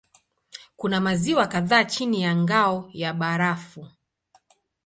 Kuna maziwa kadhaa chini ya ngao ya barafu.